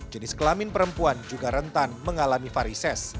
jenis kelamin perempuan juga rentan mengalami varises